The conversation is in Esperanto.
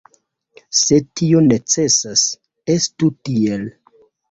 Se tio necesas, estu tiel.